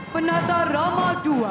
penata rama dua